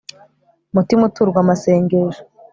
mutima uturwa amasengesho